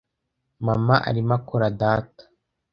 Mama arimo akora data.